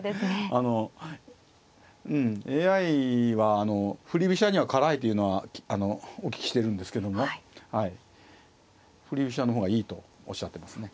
あのうんＡＩは振り飛車には辛いというのはお聞きしてるんですけども振り飛車の方がいいとおっしゃってますね。